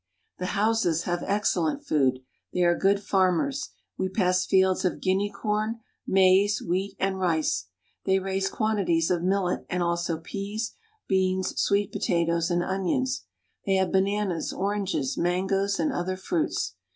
The Hausas have e.\cellent food. They are good farm ers. We pass fields of guinea corn, maize, wheat, and rice. They raise quantities of millet and also peas, beans, sweet potatoes, and onions. They have bananas, oranges, mangoes, and other fruits.